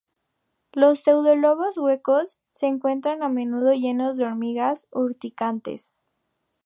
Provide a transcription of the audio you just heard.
Los pseudobulbos huecos se encuentran a menudo llenos de hormigas urticantes.